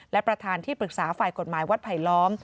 และประธานที่ปรึกษาฝ่ายกฎหมายวัดไผลล้อม